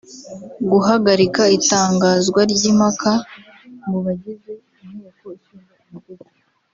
guhagarika itangazwa ry’impaka mu bagize Inteko Ishinga Amategeko